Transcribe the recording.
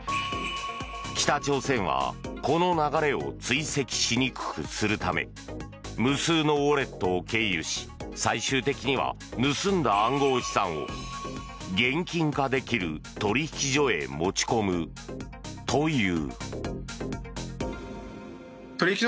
北朝鮮は、この流れを追跡しにくくするため無数のウォレットを経由し最終的には盗んだ暗号資産を現金化できる取引所へ持ち込むという。